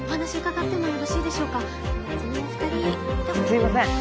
すいません